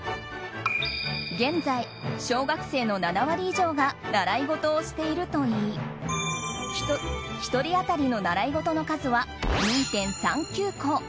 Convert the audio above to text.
現在、小学生の７割以上が習い事をしているといい１人当たりの習い事の数は２．３９個。